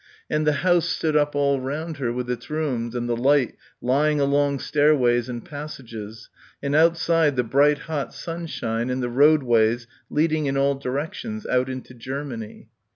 And the house stood up all round her with its rooms and the light lying along stairways and passages, and outside the bright hot sunshine and the roadways leading in all directions, out into Germany.